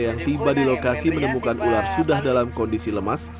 yang tiba di lokasi menemukan ular sudah dalam kondisi lemas